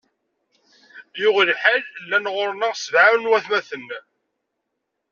Yuɣ lḥal, llan ɣur-neɣ sebɛa n watmaten.